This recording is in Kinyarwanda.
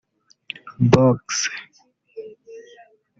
Box